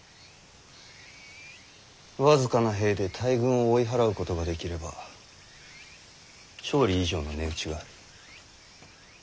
僅かな兵で大軍を追い払うことができれば勝利以上の値打ちがある。